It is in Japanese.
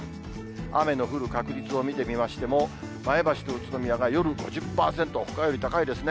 雨の降る確率を見てみましても、前橋と宇都宮が夜５０％、ほかより高いですね。